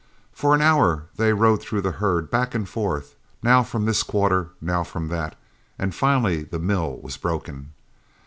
For an hour they rode through the herd, back and forth, now from this quarter, now from that, and finally the mill was broken.